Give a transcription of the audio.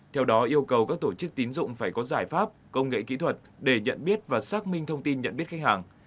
theo đó yêu cầu các tổ chức tín dụng phải có giải pháp công nghệ kỹ thuật để nhận biết và xác minh thông tin nhận biết khách hàng